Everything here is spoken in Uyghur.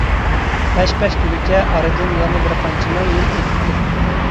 ھەش-پەش دېگۈچە ئارىدىن يەنە بىر قانچە مىڭ يىل ئۆتۈپتۇ.